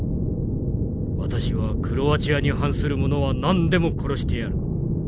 私はクロアチアに反するものは何でも殺してやる。